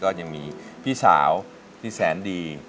ก็ยังมีพี่สาวที่แสนดี